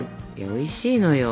おいしいのよ。